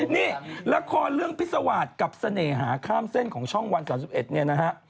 นี่ละครเรื่องพิษวาสกับเสน่หาข้ามเส้นของช่องวัน๓๑เนี่ยนะฮะ